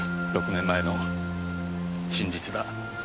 ６年前の真実だ。